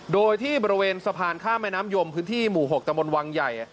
โดยที่บริเวณสะพานข้ามแม่น้ำยมพื้นที่หมู่๖ตะมนต์วังใหญ่